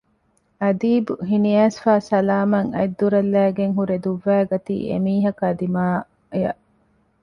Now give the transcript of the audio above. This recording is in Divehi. އަބީދު ހިނިއައިސްފައި ސަލާމަށް އަތްދަރާލައިގެން ހުރެ ދުއްވައިގަތީ އެމީހަކާ ދިމާޔަށް